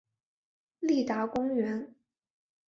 立达公园。